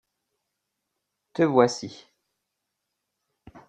te voici.